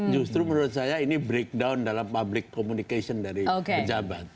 justru menurut saya ini breakdown dalam public communication dari pejabat